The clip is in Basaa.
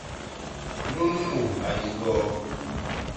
Nunu mut a yé ñgoo.